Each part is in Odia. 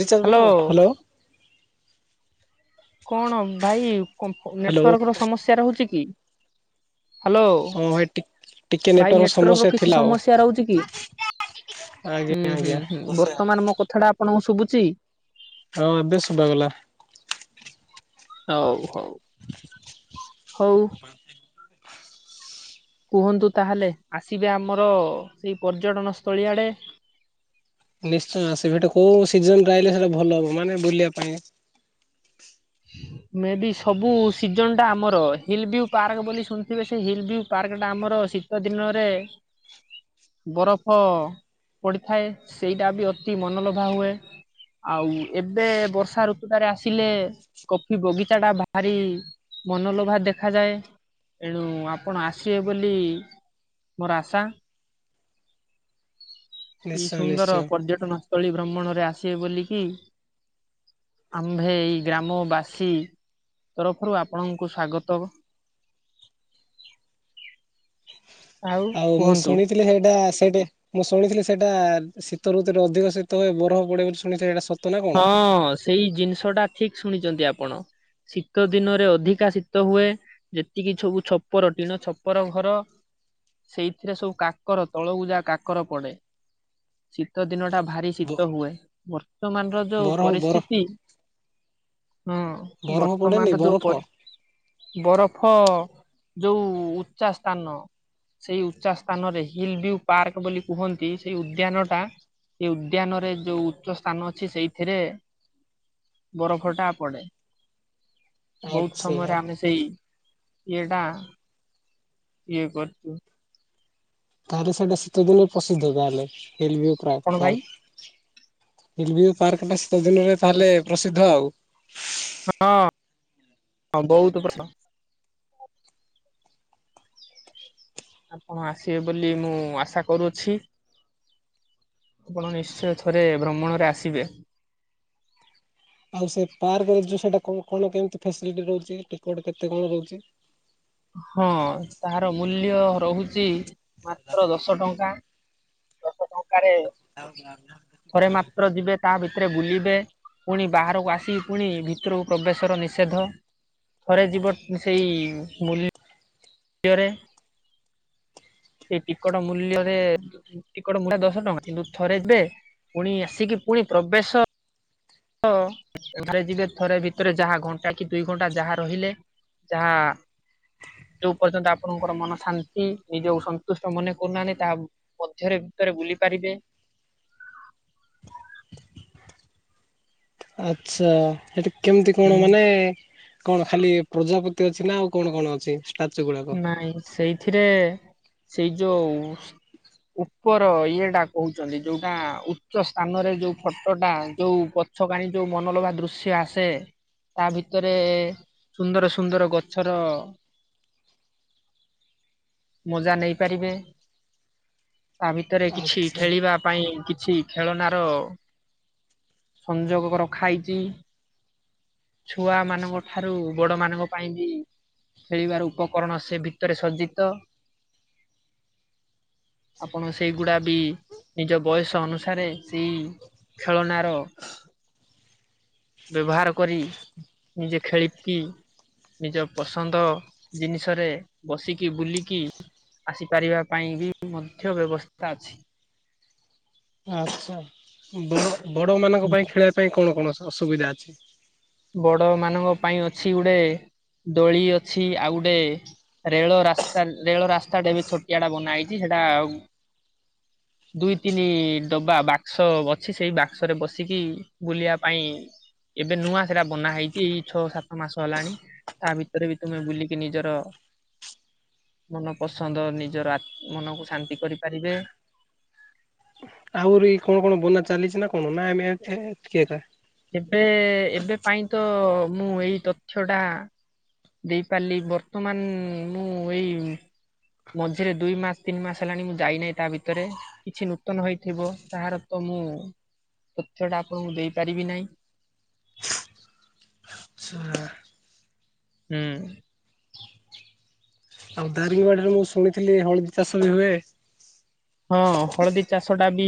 Recharge hello [unintelligible] hello. କଣ ଭାଇ କ ହ୍ୟାଲୋ ନେଟୱାର୍କ ର ସମସ୍ୟା ରହୁଛି କି? ହାଲୋ ହଁ ଭାଇ ଟି ଟିକେ ଭାଇ ନେଟୱାର୍କ ନେଟୱାର୍କର ସମସ୍ୟା କିଛି ଥିଲା ଆଉ ସମସ୍ୟା ରହୁଛି କି? ଆଜ୍ଞା ହୁଁ, ହୁଁ, ଆଜ୍ଞା। ହୁଁ ବର୍ତ୍ତମାନ ମୋ କଥା ଟା ଆପଣଙ୍କୁ ଶୁଭୁଛି? ହଁ ଏବେ ଶୁଭାଗଲା ହଉ, ହଉ। ହଉ। କୁହନ୍ତୁ ତାହେଲେ ଆସିବେ ଆମର ସେଇ ପର୍ଯ୍ୟଟନ ସ୍ଥଳୀ ଆଡେ। ନିଶ୍ଚୟ ଆସିବି ହେଟା କୋଉ ସିଜନ ରେ ଆଇଲେ ସେଟା ଭଲ ହବ ମାନେ ବୁଲିବା ପାଇଁ। ମେ ବି ସବୁ ସିଜନ ଟା ଆମର ହିଲ ଭିଉ ପାର୍କ ବୋଲି ଶୁଣିଥିବେ ସେ ହିଲ ଭିଉ ପାର୍କଟା ଆମର ଶୀତ ଦିନରେ ବରଫ ପଡିଥାଏ ସେଇଟା ବି ଅତି ମନଲୋଭା ହୁଏ। ଆଉ ଏବେ ବର୍ଷା ଋତୁ ଟାରେ ଆସିଲେ କଫି ବଗିଚା ଟା ଭାରି ମନଲୋଭା ଦେଖାଯାଏ। ଏଣୁ ଆପଣ ଆସିବେ ବୋଲି ମୋର ଆଶା। ଏଇ ନିଶ୍ଚୟ ସୁନ୍ଦର ନିଶ୍ଚୟ ପର୍ଯ୍ୟଟନ ସ୍ଥଳୀ ଭ୍ରମଣରେ ଆସିବେ ବୋଲିକି ଆମ୍ଭେ ଏଇ ଗ୍ରାମବାସୀ ତରଫରୁ ଆପଣଙ୍କୁ ସ୍ଵାଗତ। [inaudible] ଆଉ ମୁଁ ଶୁଣିଥିଲି ହେଇଟା ସେଇଟେ ମୁଁ ଶୁଣିଥିଲି ସେଇଟା ଶୀତ ଋତୁରେ ଅଧିକ ଶୀତ ହୁଏ ବରଫ ପଡେ ବୋଲି ଶୁଣିିଥିଲି ହେଇଟା ସତ ନା କଣ? ହଁ ସେଇ ଜିନିଷ ଟା ଠିକ ଶୁଣିଛନ୍ତି ଆପଣ। ଶୀତ ଦିନରେ ଅଧିକା ଶୀତ ହୁଏ ଯେତିକି ସବୁ ଛପର ଟିଣ ଛପର ଘର ସେଇଥିରେ ସବୁ କାକର ତଳକୁ ଯା କାକର ପଡେ ଶୀତ ଦିନଟା ଭାରି ଶୀତ ହୁଏ ବର୍ତ୍ତମାନର ଯୋଉ ବରଫ ବରଫ ପରିସ୍ଥିତି ହଁ ବରଫ ପଡେନି ବର୍ତ୍ତମାନର ଯୋଉ ବରଫ ପ ବରଫ ଯଉ ଉଚ୍ଚା ସ୍ଥାନ। ସେଇ ଉଚ୍ଚା ସ୍ଥାନରେ ହିଲ ଭିଉ ପାର୍କ ବୋଲି କୁହନ୍ତି ସେଇ ଉଦ୍ୟାନ ଟା ସେ ଉଦ୍ୟାନରେ ଜଉ ଉଚ୍ଚ ସ୍ଥାନ ଅଛି ସେଇଥିରେ ବରଫଟା ପଡେ ବହୁତ ଆଚ୍ଛା। ସମୟରେ ଆମେ ସେଇ ଇଏଟା କିଏ କରିଛୁ ତାହେଲେ ସେଇଟା ଶୀତ ଦିନରେ ପ୍ରସିଦ୍ଧ ତାହାଲେ [unintelligible] କଣ ପାର୍କ ଭାଇ [unintelligible] ପାର୍କଟା ଶୀତ ଦିନରେ ତାହେଲେ ପ୍ରସିଦ୍ଧ ଆଉ ହଁ ବହୁତ ବର୍ଷ। ଆପଣ ଆସିବେ ବୋଲି ମୁଁ ଆଶା କରୁଅଛି। ଆପଣ ନିଶ୍ଚୟ ଥରେ ଭ୍ରମଣରେ ଆସିବେ। ଆଉ ସେ ପାର୍କରେ ଯଉ ସେଟା କଣ କଣ କେମତି ଫେଶିଲିଟୀ ରହୁଛି, ଟିକଟ କେତେ କଣ ରହୁଛି? ହଁ ତାର ମୂଲ୍ୟ ରହୁଚି ମାତ୍ର ଦଶ ଟଙ୍କା। ଦଶ ଟଙ୍କାରେ [unintelligible] ଥରେ ମାତ୍ର ଯିବେ ତା ତା ଭିତରେ ବୁଲିବେ, ପୁଣି ବାହାରକୁ ଆସି ପୁଣି ଭିତରକୁ ପ୍ରବେଶର ନିଷେଧ। ଥରେ ଯିବ ସେଇ ମୁଲି ଲ୍ୟରେ ସେ ଟିକଟ ମୂଲ୍ୟରେ, ଟିକଟ ମୂଲ ଦଶ ଟଙ୍କା, କିନ୍ତୁ ଥରେ ବେ ପୁଣି ଆସିକି ପୁଣି ପ୍ରବେଶ ଶ ଏବେ ଯିବେ ଥରେ ଭିତରେ ଯାହା ଘଣ୍ଟା କି ଦୁଇ ଘଣ୍ଟା ଯାହା ରହିଲେ। ଯାହା ଯୋଉ ପର୍ଯ୍ୟନ୍ତ ଆପଣଙ୍କର ମନ ଶାନ୍ତି ନିଜକୁ ସନ୍ତୁଷ୍ଟ ମନେ କରୁନାହାନ୍ତି, ତାହା ମଧ୍ୟରେ ଭିତରେ ବୁଲି ପାରିବେ। ଆଚ୍ଛା ହେଠି କେଉଁଠି କଣ ହୁଁ ମାନେ କଣ ଖାଲି ପ୍ରଜାପତି ଅଛି ନା ଆଉ କଣ କଣ ଅଛି? ଷ୍ଟାଚୁ ଗୁଡାକ? ନାଇଁ ସେଇଥିରେ ସେଇ ଯୋଉ ଉପର ଇଏଟା କହୁଛନ୍ତି, ଯୋଉଟା ଉଚ୍ଚ ସ୍ଥାନରେ ଯୋଉ ଫଟୋଟା ଯୋଉ ଛଗାଣି ଯୋଉ ମନଲୋଭା ଦୃଶ୍ୟ ଆସେ ତା ଭିତରେ ସୁନ୍ଦର ସୁନ୍ଦର ଗଛର ମଜା ନେଇପାରିବେ। ତା ଭିତରେ କିଛି ଆଚ୍ଛା ଖେଳିବା ପାଇଁ କିଛି ଖେଳନାର ସଂଯୋଗ ରଖା ହେଇଛି। ଛୁଆ ମାନଙ୍କ ଠାରୁ ବଡ ମାନଙ୍କ ପାଇଁ ବି ଖେଳିବାର ଉପକରଣ ସେ ଭିତରେ ସଜ୍ଜିତ। ଆପଣ ସେଇଗୁଡା ବି ନିଜ ବୟସ ଅନୁସାରେ ସେଇ ଖେଳନାର ବ୍ୟବହାର କରି ନିଜେ ଖେଳିକି? ନିଜ ପସନ୍ଦ ଜିନିଷରେ ବସିକି ବୁଲିକି ଆସିପାରିବା ପାଇଁ ବି ମଧ୍ୟ ବ୍ୟବସ୍ଥା ଅଛି। ଆଚ୍ଛା ବ ବଡ ମାନଙ୍କ ପାଇଁ ଖେଳିବା ପାଇଁ କଣ କଣ ଅସୁବିଧା ଅଛି? ବଡ ମାନଙ୍କ ପାଇଁ ଅଛି ଗୋଟେ ଦୋଳି ଅଛି, ଆଉ ଗୋଟେ ରେଳ ରାସ୍ତା ରେଳ ରାସ୍ତାଟେ ଏବେ ଛୋଟିଆ ଟା ବନା ହେଇଛି ସେଟା ଆଉ [inaudible] ଦୁଇ ତିନି ଡବା ବାକ୍ସ ଅଛି, ସେଇ ବାକ୍ସରେ ପସିକି ବୁଲିବା ପାଇଁ ଏବେ ନୂଆ ସେଟା ବନା ହେଇଛି ଏଇ ଛଅ ସାତ ମାସ ହେଲାଣି ତା ଭିତରେ ବି ତୁମେ ବୁଲିକି ନିଜର ମନ ପସନ୍ଦ ନିଜର ଆ ମନକୁ ଶାନ୍ତି କରିପାରିବେ। ଆହୁରି କଣ କଣ ବନା ଚାଲିଛି ନା କଣ [unintelligible] ଏବେ ଏବେ ପାଇଁ ତ ମୁଁ ଏଇ ତଥ୍ୟଟା ଦେଇପାରିଲି ବର୍ତ୍ତମାନ ମୁଁ ଏଇ ମଝିରେ ଦୁଇ ମାସ ତିନି ମାସ ହେଲାଣି ମୁଁ ଯାଇନାହିଁ, ତା ଭିତରେ କିଛି ନୂତନ ହେଇଥିବ ତାହାର ତ ମୁଁ ତଥ୍ୟଟା ଆପଣଙ୍କୁ ଦେଇପାରେ ଆଚ୍ଛା [unintelligible] ହୁଁ। ଆଉ ଦାରିଙ୍ଗବାଡିରେ ମୁଁ ଶୁଣିଥିଲି ହଳଦୀ ଚାଷ ବି ହୁଏ। ହଁ ହଳଦୀ ଚାଷ ଟା ବି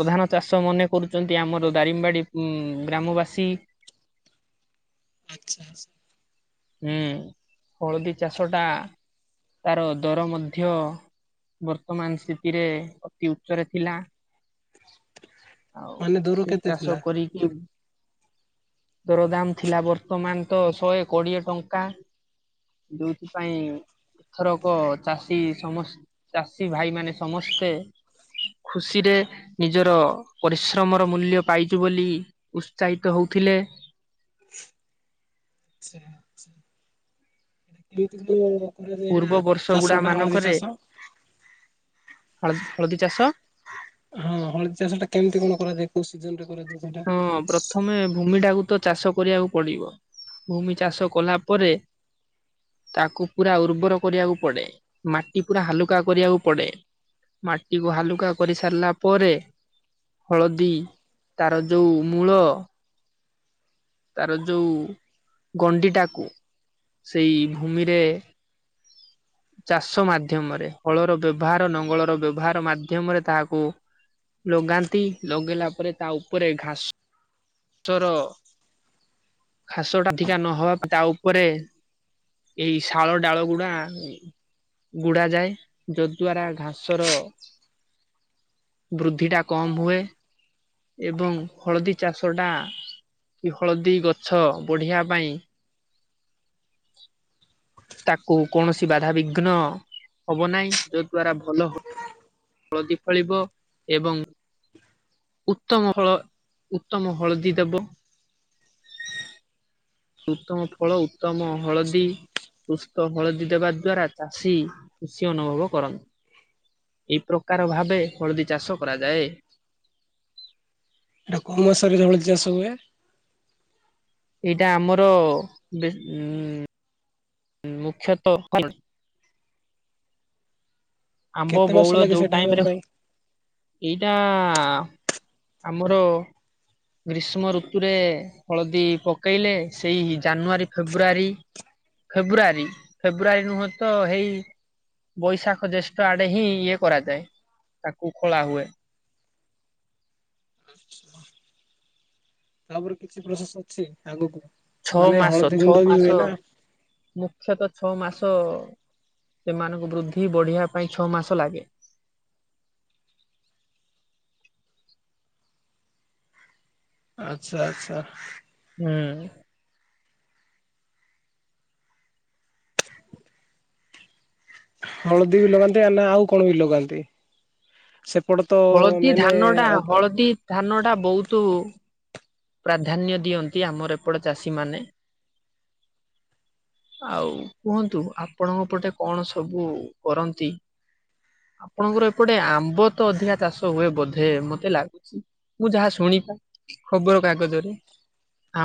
ପ୍ରଧାନ ଚାଷ ମନେ କରୁଛନ୍ତି ଆମର ଦାରିମବାଡି ଗ୍ରାମବାସୀ। ଆଚ୍ଛା ଆଛ ହୁଁ ହଳଦୀ ଚାଷ ଟା ତାର ଦର ମଧ୍ୟ ବର୍ତ୍ତମାନ ସ୍ଥିତିରେ ଅତି ଉଚ୍ଚରେ ଥିଲା। ଆଉ ମାନେ ଦୂର ଏଇ କେତେ ଚାଷ ଥିଲା? କରିକି ଦରଦାମ ଥିଲା ବର୍ତ୍ତମାନ ତ ଶହେ କୋଡିଏ ଟଙ୍କା। ଯେଉଥିପାଇଁ ଏଥରକ ଚାଷୀ ସମ ଚାଷୀ ଭାଇ ମାନେ ସମସ୍ତେ ଖୁସିରେ ନିଜର ପରିଶ୍ରମର ମୂଲ୍ୟ ପାଇଚୁ ବୋଲି ଉତ୍ସାହିତ ହଉଥିଲେ। ଆଚା। ପୂର୍ବ [unintelligible] ବର୍ଷ ଚାଷ ଗୁଡା ଟା ହଳଦୀ ମାନଙ୍କରେ ଚାଷ। ହଳ ହଳଦୀ ଚାଷ ହଁ ହଳଦୀ ଚାଷ ଟା କେମିତି କଣ କରାଯାଏ କୋଉ ସିଜନ ରେ କରାଯାଏ ସେଇଟା? ହଁ ପ୍ରଥମେ ଭୂମି ଟାକୁ ତ ଚାଷ କରିବାକୁ ପଡିବ ଭୂମି ଚାଷ କଲା ପରେ ତାକୁ ପୁରା ଉର୍ବର କରିବାକୁ ପଡ଼େ ମାଟି ପୁରା ହାଲୁକା କରିବାକୁ ପଡ଼େ ମାଟିକୁ ହାଲୁକା କରି ସାରିଲା ପରେ ହଳଦୀ ତାର ଯୋଉ ମୂଳ ତାର ଯୋଉ ଗଣ୍ଡିଟାକୁ ସେଇ ଭୂମିରେ ଚାଷ ମାଧ୍ୟମରେ ହଳର ବ୍ୟବହାର ନଙ୍ଗଳର ବ୍ୟବହାର ମାଧ୍ୟମରେ ତାହାକୁ ଲଗାନ୍ତି ଲଗେଇଲା ପରେ ତା ଉପରେ ଘାସଚର ଘାସ କାଠିକା ନହବା ତା ଉପରେ ଏଇ ଶାଳ ଡାଳ ଗୁଡା ଗୁଡାଯାଏ ଯଦ୍ଵାରା ଘାସ ର ବୃଦ୍ଧି ଟା କମ ହୁଏ ଏବଂ ହଳଦୀ ଚାଷ ଟା କି ହଳଦୀ ଗଛ ବଢ଼ିବା ପାଇଁ [inaudible] ତାକୁ କୌଣସି ବାଧାବିଘ୍ନ ହବ ନାହିଁ ଯ ଦ୍ଵାରା ଭଲ ହ ହଳଦୀ ଫଳିବ ଏବଂ ଉତ୍ତମ ହଳ ଉତ୍ତମ ହଳଦୀ ଦେବ [inaudible] ଉତ୍ତମ ଫଳ ଉତ୍ତମ ହଳଦୀ ସୁସ୍ଥ ହଳଦୀ ଦେବା ଦ୍ଵାରା ଚାଷୀ ଖୁସି ଅନୁଭବ କରନ୍ତି। ଏହି ପ୍ରକାର ଭାବେ ହଳଦୀ ଚାଷ କରାଯାଏ। ଏଟା କୋଉ ମାସରେ ହଳଦୀ ଚାଷ ହୁଏ? ଏଇଟା ଆମର ବେସ ଉ ମୁଖ୍ୟତଃ ଜଣେଇ ଆମ୍ବ କେତେ ମାସ ବଉଳ ଲାଗେ ଯୋଉ ସେଇଟା ହେବା ଟାଇମରେ ପାଇଁ ଏଇଟା ଆମର ଗ୍ରୀଷ୍ମ ଋତୁରେ ହଳଦୀ ପକେଇଲେ ସେଇ ଜାନୁଆରୀ ଫେବୃଆରୀ ଫେବୃଆାରୀ ଫେବୃଆାରୀ ନୁହେଁ ତ ହେଇ ବୈଶାଖ ଜ୍ୟେଷ୍ଠ ଆଡେ ହିଁ ଇଏ କରାଯାଏ ତାକୁ ଖୋଳା ହୁଏ। ତାପରେ କିଛି ପ୍ରୋସେସ ଅଛି ଆଗକୁ? ଛଅ ମାନେ ମାସ ହଳଦୀ ଛଅ ଗୁଣ୍ଡ ବି ହୁଏ ମାସ ନା ମୁଖ୍ୟତଃ ଛଅ ମାସ ସେମାନଙ୍କୁ ବୃଦ୍ଧି ବଢିବା ପାଇଁ ଛଅ ମାସ ଲାଗେ। [inaudible] ଆଛା ଆଛା। ହୁଁ। ହଳଦୀ ବି ଲଗାନ୍ତି ନା ଆଉ କଣ ବି ଲଗାନ୍ତି ସେପଟ ତ ହଳଦୀ ମାନେ ଧାନ ଟା ଅ ହଳଦୀ ଧାନ ଟା ବହୁତୁ ପ୍ରାଧାନ୍ୟ ଦିଅନ୍ତି ଆମର ଏପଟ ଚାଷି ମାନେ [inaudible] ଆଉ କୁହନ୍ତୁ ଆପଣଙ୍କ ପଟେ କଣ ସବୁ କରନ୍ତି? ଆପଣଙ୍କର ଏପଟେ ଆମ୍ବ ତ ଅଧିକା ଚାଷ ହୁଏ ବୋଧେ ମତେ ଲାଗୁଛି ମୁଁ ଯାହା ଶୁଣି [unintelligible] ଖବର କାଗଜରେ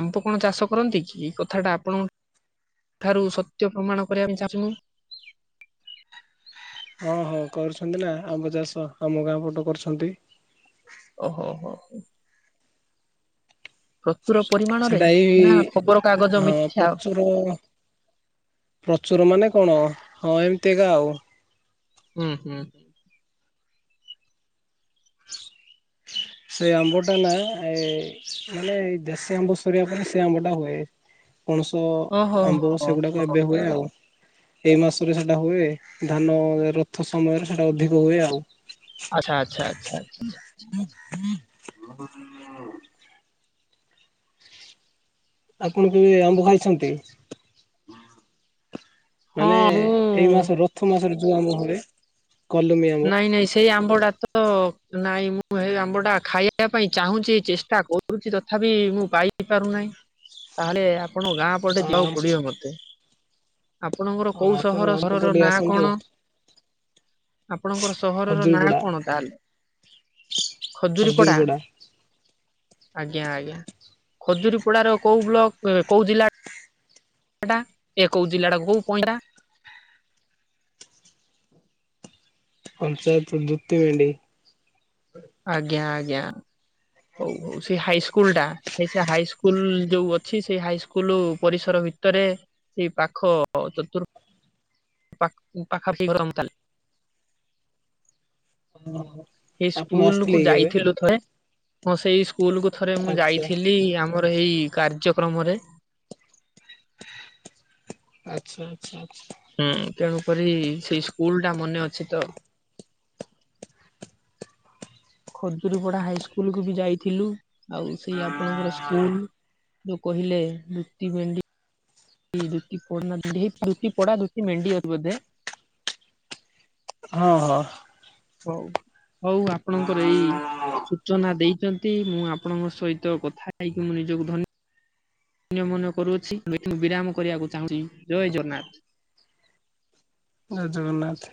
ଆମ୍ବ କଣ ଚାଷ କରନ୍ତି କି ଏହି କଥାଟା ଆପଣଙ୍କ ଠାରୁ ସତ୍ୟ ପ୍ରମାଣ କରିବାକୁ ଚାଁହୁନ। [unintelligible] ହଁ ହଉ କରୁଛନ୍ତି ନା ଆମ୍ବ ଚାଷ ଆମ ଗାଁ ପଟ କରୁଛନ୍ତି। ଓହୋ ହୋ ପ୍ରଚୁର ପରିମାଣରେ ସେଟା ଏଇ ନା ହିଁ ଖବର କାଗଜ ମିଥ୍ୟା। ପ୍ରଚୁର ପ୍ରଚୁର ମାନେ କଣ ହଁ ଏମିତିଏକା ଆଉ ହୁଁ ହୁଁ। ସେଇ ଆମ୍ବଟା ନାଇଏ ମାନେ ଦେଶୀ ଆମ୍ବ ସରିବା ପରେ ସେ ଆମ୍ବ ଟା ହୁଏ। ପଣସ ଓହୋ ହୋ ଆମ୍ବ ହୋ ସେଗୁଡାକ ହୋ। ଏବେ ହୁଏ ଆଉ। ଏଇ ମାସରେ ସେଟା ହୁଏ ଧାନ ରଥ ସମୟରେ ସେଟା ଅଧିକ ହୁଏ ଆଉ। ଆଚ୍ଛା ଆଚ୍ଛା ଆଚ୍ଛା। [unintelligible] ଆପଣ କେବେ ଆମ୍ବ ଖାଇଛନ୍ତି? ହଁ ମାନେ ମୁଁ ଏଇ ମାସ ରଥ ମାସର ଜଉ ଆମ୍ବ ହୁଏ କଲମୀ ଆମ୍ବ ନାଇଁ ନାଇଁ ସେଇ ଆମ୍ବଟା ତ ନାଇଁ ମୁଁ ହେଇ ଆମ୍ବଟା ଖାଇବା ପାଇଁ ଚାହୁଁଚି ଚେଷ୍ଟା କରୁଚି ତଥାପି ମୁଁ ପାଇପାରୁନାହିଁ। ତାହେଲେ ଆପଣଙ୍କ ଗାଁ ପଟେ ଆ ଯିବାକୁ ପଡିବ ମତେ। ଆପଣଙ୍କର କୋଉ ଆପଣ ସହର ଆମପଟେ ସହରର ଟିକେ ନାଁ ଆସନ୍ତୁ କଣ? ଆପଣଙ୍କର ସହରର ନାଁ ହଜୁରିପଡା କଣ ତାହେଲେ? ଖଜୁରୀ ପଡ଼ା। ହଜୁରିପଡା ଆଜ୍ଞା ଆଜ୍ଞା ଖଜୁରୀ ପଡାର କୋଉ ବ୍ଲକ କୋଉ ଜିଲ୍ଲା? ହେଟା ଏ କୋଉ ଜିଲ୍ଲାଟାକୁ କହିଲା। [inaudible] ପଞ୍ଚାୟତ ଦୂତି ଭେଣ୍ଡି ଆଜ୍ଞା ଆଜ୍ଞା। ହଉ ହଉ ସେ ହାଇସ୍କୁଲ ଟା ସେ ସେ ହାଇସ୍କୁଲ ଯୋଉ ଅଛି ସେଇ ହାଇସ୍କୁଲ ପରିସର ଭିତରେ ସେଇ ପାଖ ଚତୁର ପା ପାଖାପାଖି ଘର [unintelligible] [inaudible] ହେଇ ଆପଣ ସ୍କୁଲ ଆସିଥିଲେ କୁ କି କେବେ ଯାଇଥିଲୁ ଥରେ ହଁ ସେଇ ସ୍କୁଲ କୁ ଥରେ ମୁଁ ଆଚ୍ଛା ଯାଇଥିଲି ଆମର ଏଇ କାର୍ଯ୍ୟକ୍ରମରେ ଆଛା ଆଛା ଆଛ। ହୁଁ ତେଣୁ କରି ସେଇ ସ୍କୁଲ ଟା ମନେ ଅଛି ତ। ଖଜୁରୀପଡା ହାଇସ୍କୁଲକୁୁ ବି ଯାଇଥିଲୁ ଆଉ ସେଇ ଆପଣଙ୍କର ସ୍କୁଲ ଯୋଉ କହିଲେ ଲୁତି ଭେଣ୍ଡି ଇ ଦୁତି ପଡନା [unintelligible] ଦୁତି ପୋଡ଼ା ଦୁତି ଭେଣ୍ଡି ଅଛି ବୋଧେ ହଁ ହ। ହଉ ହଉ ଆପଣଙ୍କର ଏଇ ଜୟ ସୂଚନା ଦେଇ ଚନ୍ତି ମୁଁ ଆପଣଙ୍କ ସହିତ କଥା ହେଇକି ମୁଁ ନିଜକୁ ଧନ୍ୟ ନ୍ୟ ମନେ କରୁଅଛି ମୁଁ ବିରାମ କରିବାକୁ ଚାହୁଁଛି ଜୟ ଜଗନ୍ନାଥ। [inaudible] ଜୟ ଜଗନ୍ନାଥ।